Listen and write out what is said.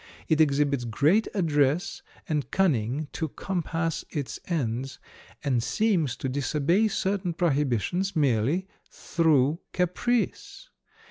It exhibits great address and cunning to compass its ends, and seems to disobey certain prohibitions merely through caprice.